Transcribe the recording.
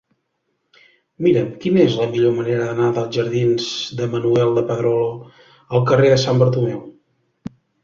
Mira'm quina és la millor manera d'anar dels jardins de Manuel de Pedrolo al carrer de Sant Bartomeu.